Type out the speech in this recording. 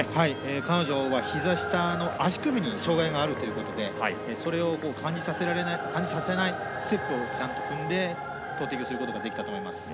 彼女はひざ下の足首に障がいがあるということでそれを感じさせないステップをちゃんと踏んで投てきをすることができたと思います。